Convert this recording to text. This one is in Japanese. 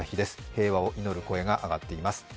平和を祈る声が上がっています。